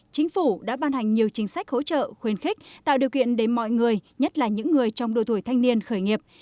chính phủ đã ban hành nhiều chính sách hỗ trợ khuyến khích tạo điều kiện để mọi người nhất là những người trong đội tuổi thanh niên khởi nghiệp